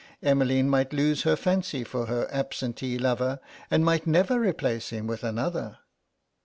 Emmeline might lose her fancy for her absentee lover, and might never replace him with another.